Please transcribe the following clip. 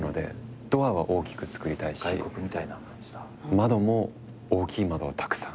窓も大きい窓をたくさん。